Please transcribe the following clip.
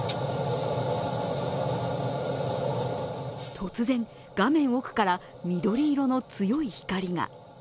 突然、画面奥から緑色の強い光が。